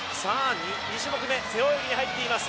２種目め、背泳ぎに入っています。